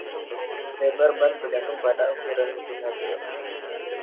Lebar ban bergantung pada ukuran mesin mobil.